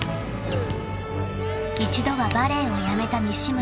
［一度はバレーをやめた西村］